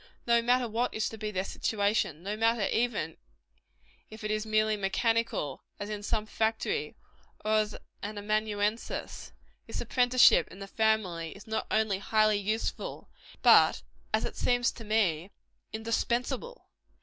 No matter what is to be their situation no matter even if it is merely mechanical, as in some factory, or as an amanuensis this apprenticeship in the family is not only highly useful, but, as it seems to me, indispensable.